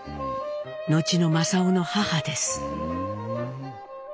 後の正雄の母です。